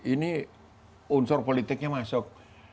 ini unsur politiknya masuk